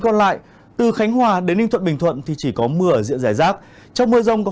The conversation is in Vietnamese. còn lại từ khánh hòa đến ninh thuận bình thuận thì chỉ có mưa ở diện giải rác trong mưa rông có